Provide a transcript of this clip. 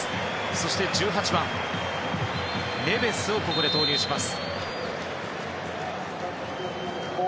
そして、１８番、ネベスをここで投入します。